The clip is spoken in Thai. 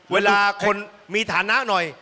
เวลาคนมีฐานะหน่อย